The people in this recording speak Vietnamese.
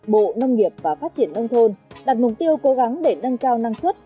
bộ nông nghiệp và phát triển nông thôn đặt mục tiêu cố gắng